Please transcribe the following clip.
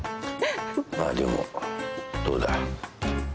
まあでもどうだ？